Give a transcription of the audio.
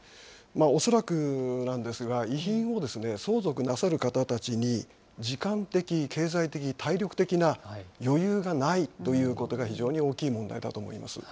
恐らくなんですが、遺品を相続なさる方たちに時間的、経済的、体力的な余裕がないということが非常に大きい問題だと思います。